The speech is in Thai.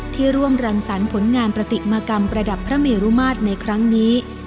ที่ร่วมรังสรรค์ผลงานปฏิมากรรมประดับพระเมรุมาตรในครั้งนี้